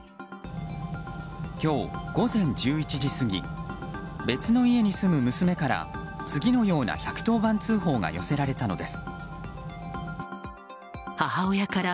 今日午前１１時過ぎ別の家に住む娘から次のような１１０番通報が寄せられたのです。